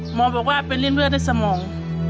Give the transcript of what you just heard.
หมอบอกว่าเป็นริ่มเลือดในสมอง